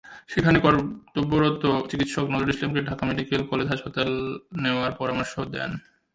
সেখানে কর্তব্যরত চিকিৎসক নজরুল ইসলামকে ঢাকা মেডিকেল কলেজ হাসপাতাল নেওয়ার পরামর্শ দেন।